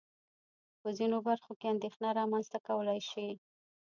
په ځينو برخو کې اندېښنه رامنځته کولای شي.